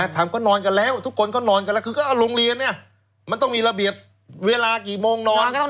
ทำก็นอนกันแล้วทุกคนก็นอนกันแล้วคือก็โรงเรียนเนี่ยมันต้องมีระเบียบเวลากี่โมงนอน